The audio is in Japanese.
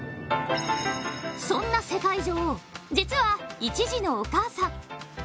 そんな世界女王、実は１児のお母さん。